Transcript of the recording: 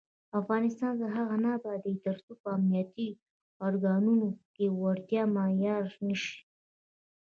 افغانستان تر هغو نه ابادیږي، ترڅو په امنیتي ارګانونو کې وړتیا معیار نشي.